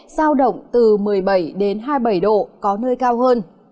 sao động từ một mươi bảy đến hai mươi bảy độ có nơi cao hơn